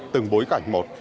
từng bối cảnh một